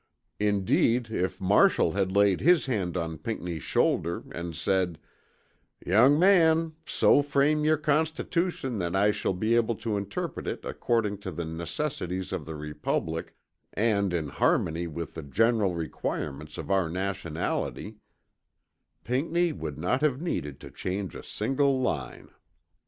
Indeed if Marshall had laid his hand on Pinckney's shoulder and said, "Young man, so frame your constitution that I shall be able to interpret it according to the necessities of the Republic and in harmony with the general requirements of our nationality," Pinckney would not have needed to change a single line.